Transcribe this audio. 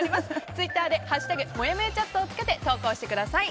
ツイッターで「＃もやもやチャット」をつけて投稿してください。